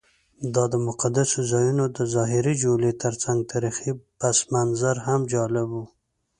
دا د مقدسو ځایونو د ظاهري جولې ترڅنګ تاریخي پسمنظر هم جالب و.